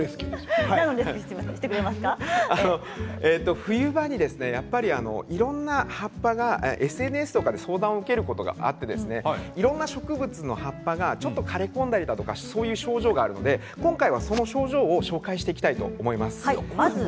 冬場にやっぱりいろんなＳＮＳとかで相談を受けることがあって、いろんな植物の葉っぱが枯れたんだよとかそういう症状があるのでその症状を紹介していきたいと思います。